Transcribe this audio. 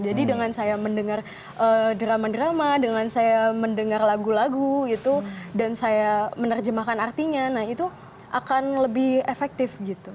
jadi dengan saya mendengar drama drama dengan saya mendengar lagu lagu itu dan saya menerjemahkan artinya nah itu akan lebih efektif gitu